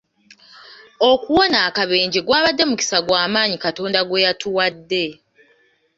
Okuwona akabenje gwabadde mukisa gwa maanyi Katonda gwe yatuwadde.